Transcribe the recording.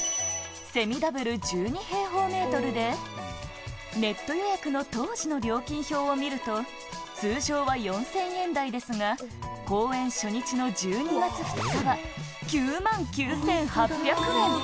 セミダブル１２平方メートルで、ネット予約の当時の料金表を見ると、通常は４０００円台ですが、公演初日の１２月２日は、９万９８００円。